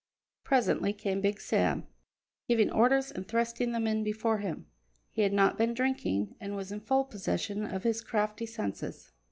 Presently came Big Sam, giving orders and thrusting the men before him. He had not been drinking, and was in full possession of his crafty senses.